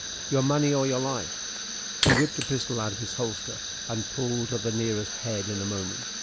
"Your money or your life!" He whipped a pistol out of his holster, and pulled at the nearest head in a moment.